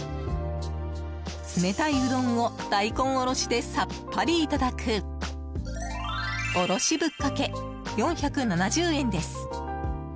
冷たいうどんを大根おろしでさっぱりいただくおろしぶっかけ、４７０円です。